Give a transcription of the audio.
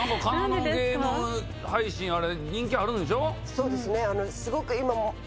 そうですね。